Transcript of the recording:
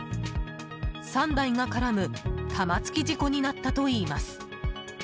３台が絡む玉突き事故になったといいます。